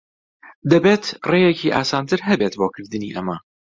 دەبێت ڕێیەکی ئاسانتر ھەبێت بۆ کردنی ئەمە.